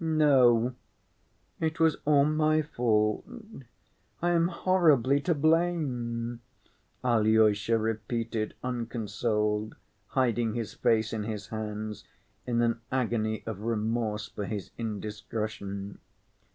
"No, it was all my fault. I am horribly to blame," Alyosha repeated unconsoled, hiding his face in his hands in an agony of remorse for his indiscretion.